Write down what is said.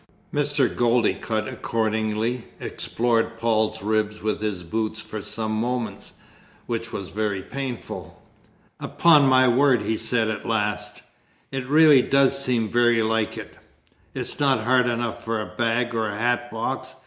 Mr. Goldicutt accordingly explored Paul's ribs with his boot for some moments, which was very painful. "Upon my word," he said at last, "it really does seem very like it. It's not hard enough for a bag or a hat box.